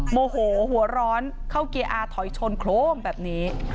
โมโหหัวร้อนเข้าเกียร์อาถอยชนโครมแบบนี้